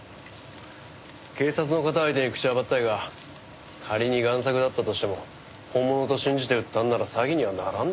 警察の方相手に口幅ったいが仮に贋作だったとしても本物と信じて売ったんなら詐欺にはならんでしょう？